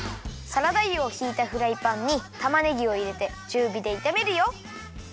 サラダ油をひいたフライパンにたまねぎをいれてちゅうびでいためるよ。